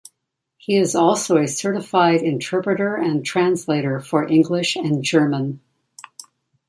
He is also a certified interpreter and translator for English and German.